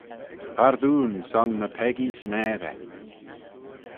Pardoon son ny peccee s'messey.